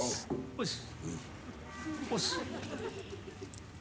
押忍。